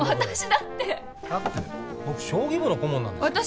だって僕将棋部の顧問なんですから。